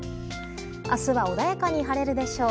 明日は穏やかに晴れるでしょう。